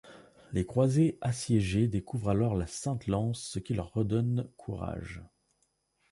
Les croisés assiégés découvrent alors la sainte Lance, ce qui leur redonne courage.